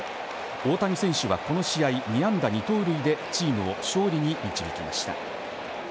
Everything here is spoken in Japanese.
大谷選手は、この試合２安打２盗塁でチームを勝利に導きました。